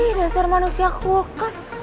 ini dasar manusia kulkas